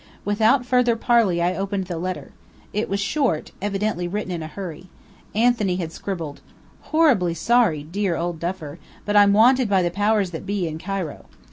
Without further parley I opened the letter. It was short, evidently written in a hurry. Anthony had scribbled: Horribly sorry, dear old Duffer, but I'm wanted by the Powers that Be in Cairo.